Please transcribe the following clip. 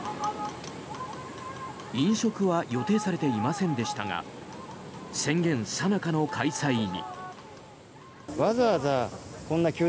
飲食は予定されていませんでしたが宣言さなかの開催に。